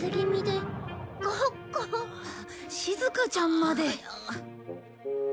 しずかちゃんまで。